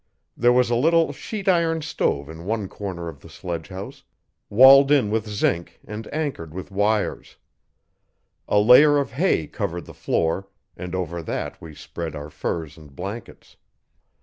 There was a little sheet iron stove in one corner of the sledgehouse, walled in with zinc and anchored with wires; a layer of hay covered the floor and over that we spread our furs and blankets.